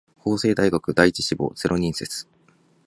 法政大学第一志望ゼロ人説